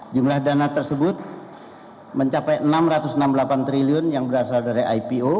jumlah dana tersebut mencapai rp enam ratus enam puluh delapan triliun yang berasal dari ipo